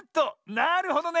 なるほどね！